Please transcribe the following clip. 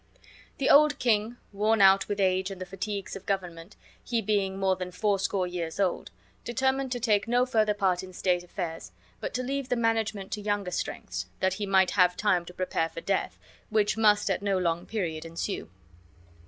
The old king, worn out with age and the fatigues of government, he being more than fourscore years old, determined to take no further part in state affairs, but to leave the management to younger strengths, that he might have time to prepare for death, which must at no long period ensue.